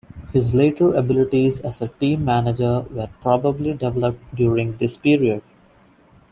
His later abilities as a team manager were probably developed during this period.